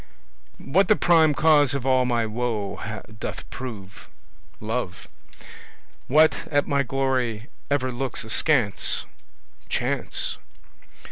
What the prime cause of all my woe doth prove? Love. What at my glory ever looks askance? Chance.